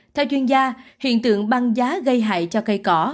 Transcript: theo chuyên gia hiện tượng băng giá gây hại cho cây cỏ